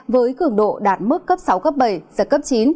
với cường độ đạt mức cấp sáu cấp bảy giật cấp chín